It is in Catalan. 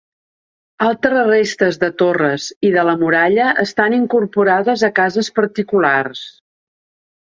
Altres restes de torres i de la muralla estan incorporades a cases particulars.